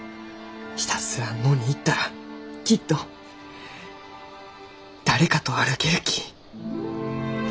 ひたすら野に行ったらきっと誰かと歩けるき。